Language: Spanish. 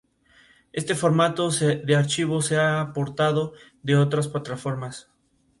Es un disco que te mantendrá bailando con la cabeza y en el piso".